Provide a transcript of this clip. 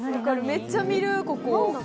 めっちゃ見るここ。